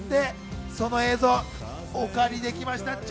その映像、お借りできました。